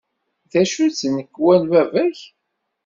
D acu-tt tnekwa n baba-k?